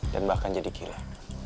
dan bahkan jadi gila